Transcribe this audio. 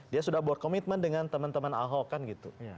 dia sudah buat komitmen dengan teman teman ahok kan gitu